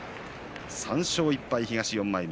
３勝１敗、東４枚目。